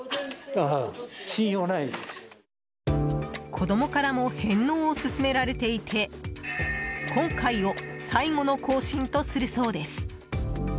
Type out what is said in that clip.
子供からも返納を勧められていて今回を最後の更新とするそうです。